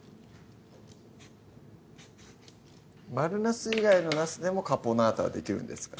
丸なす以外のなすでも「カポナータ」はできるんですか？